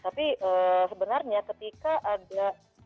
tapi sebenarnya ketika ada